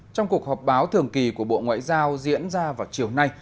trong cuộc họp báo thường kỳ của bộ ngoại giao diễn ra vào chiều nay